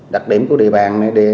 đặc điểm của địa bàn này